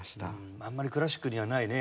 あんまりクラシックにはないね